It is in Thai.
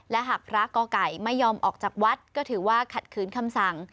และหากพระก่อไก่ไม่ยอมออกจากวัดก็ถือว่าขัดขืนคำสั่ง